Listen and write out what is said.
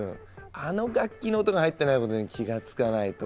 あの楽器の音が入ってないことに気がつかないとは。